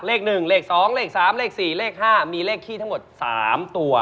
เลข๑เลข๒เลข๓เลข๔เลข๕มีเลขขี้ทั้งหมด๓ตัว